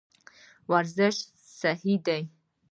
ورزش صحي دی.